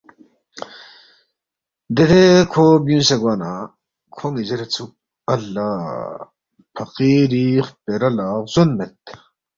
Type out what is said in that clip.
دیرے کھو بیُونگسے گوا نہ کھون٘ی زیریدسُوک، اللّٰہ! فقیری خپیرا لہ غزون مید